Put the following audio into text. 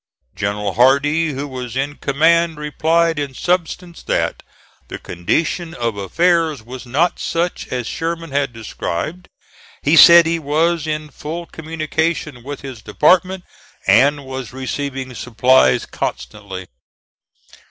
General Hardee, who was in command, replied in substance that the condition of affairs was not such as Sherman had described. He said he was in full communication with his department and was receiving supplies constantly.